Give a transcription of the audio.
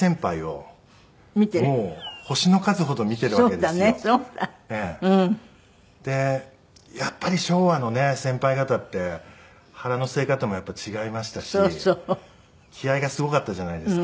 でやっぱり昭和のね先輩方って腹の据え方もやっぱり違いましたし気合がすごかったじゃないですか。